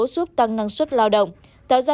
giúp tăng năng suất lao động tạo ra